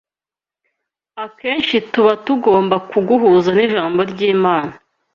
akenshi tuba tugomba kuguhuza n’Ijambo ry’Imana